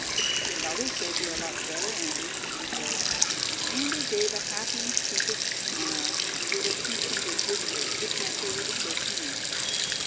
"Your mother says you are lots better, Andy," she said. Andy gave a happy, sheepish smile and wiggled two fingers weakly, which meant they were to shake hands.